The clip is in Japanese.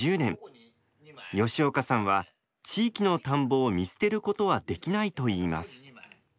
吉岡さんは地域の田んぼを見捨てることはできないといいます。